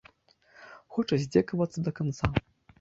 Хоча здзекавацца да канца.